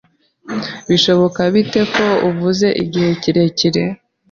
bishoboka bite ko uvuze igihe kirekire